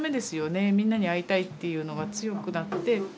みんなに会いたいっていうのが強くなって。